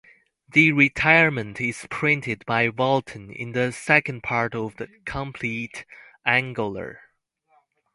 The "Retirement" is printed by Walton in the second part of the "Compleat Angler".